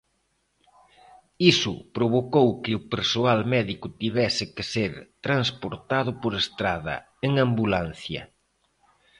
Iso provocou que o persoal médico tivese que ser transportado por estrada, en ambulancia.